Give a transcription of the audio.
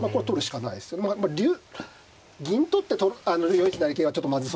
銀取って４一成桂はちょっとまずそうなんで。